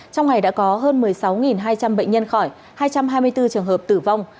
trong ngày đã có hơn một mươi sáu hai trăm linh bệnh nhân khỏi hai trăm hai mươi bốn trường hợp tử vong